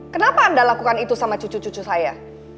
kenapa anda lakukan itu sama cucu cucu saya